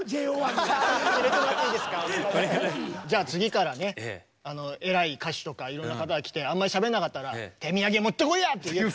じゃあ次からね偉い歌手とかいろんな方が来てあんまりしゃべんなかったら「手土産持ってこいや！」って言えば。